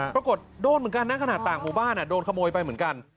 ปรากฏโดนเหมือนกันนะขนาดต่างหมู่บ้านโดนขโมยไปเหมือนกัน